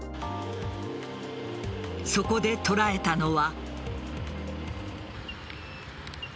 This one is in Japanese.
そこで捉えたのは。